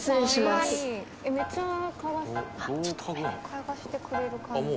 嗅ぐしてくれる感じだ。